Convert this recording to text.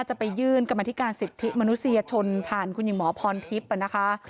จะไปยื่นกรรมธิการสิทธิมนุษยชนผ่านคุณหญิงหมอพรทิพย์นะคะ